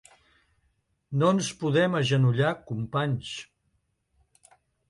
No ens podem agenollar companys.